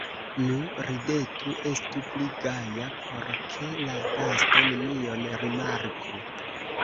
Nu, ridetu, estu pli gaja, por ke la gasto nenion rimarku!